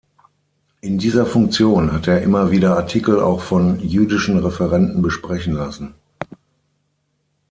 In dieser Funktion hat er immer wieder Artikel auch von jüdischen Referenten besprechen lassen.